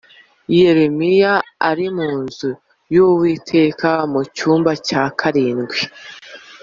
Yeremiya ari mu nzu y Uwiteka mu cyumba cya karindwi